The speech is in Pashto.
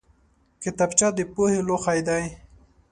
کتابچه د پوهې لوښی دی